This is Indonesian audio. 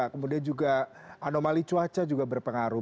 kemudian juga anomali cuaca juga berpengaruh